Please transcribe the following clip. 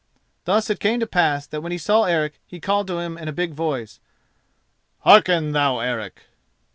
Thus it came to pass that when he saw Eric he called to him in a big voice: "Hearken, thou Eric."